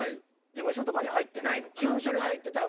事務所とかには入ってないのかな。